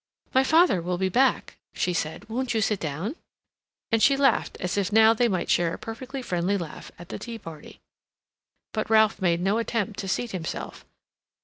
"My father will be back," she said. "Won't you sit down?" and she laughed, as if now they might share a perfectly friendly laugh at the tea party. But Ralph made no attempt to seat himself.